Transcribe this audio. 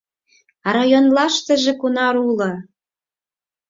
— А районлаштыже кунар уло!